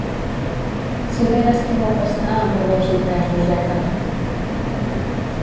¡Si veres que guapa està amb la dos i tres Roseta!